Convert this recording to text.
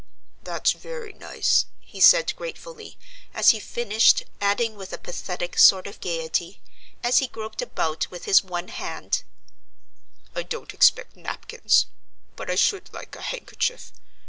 "That's very nice," he said gratefully, as he finished, adding with a pathetic sort of gayety, as he groped about with his one hand: "I don't expect napkins, but I should like a handkerchief.